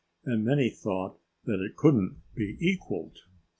And many thought that it couldn't be equalled.